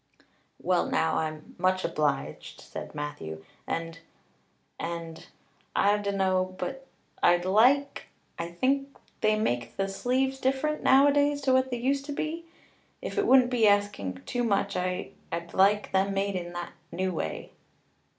"Well now, I'm much obliged," said Matthew, "and and I dunno but I'd like I think they make the sleeves different nowadays to what they used to be. If it wouldn't be asking too much I I'd like them made in the new way."